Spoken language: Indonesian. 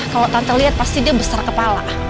kalau tante lihat pasti dia besar kepala